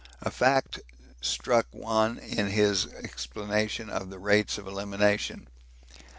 A fact struck one in his explanation of the rates of elimination.